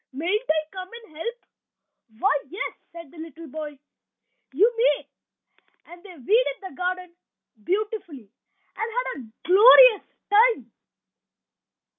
Mayn't I come and help?" "Why, yes," said the little boy. "You may." And they weeded the garden beautifully, and had a glorious time.